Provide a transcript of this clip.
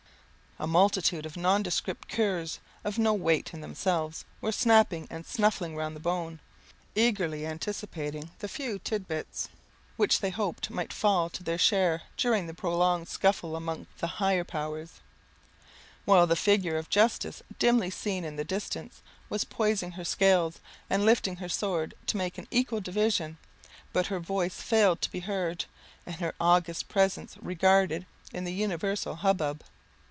A multitude of nondescript curs, of no weight in themselves, were snapping and snuffling round the bone, eagerly anticipating the few tit bits, which they hoped might fall to their share during the prolonged scuffle among the higher powers: while the figure of Justice, dimly seen in the distance, was poising her scales, and lifting her sword to make an equal division; but her voice failed to be heard, and her august presence regarded, in the universal hubbub.